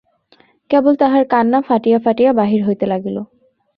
কেবল তাহার কান্না ফাটিয়া ফাটিয়া বাহির হইতে লাগিল।